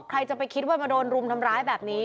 ใครจะไปคิดว่ามาโดนรุมทำร้ายแบบนี้